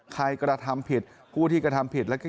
กระทำผิดผู้ที่กระทำผิด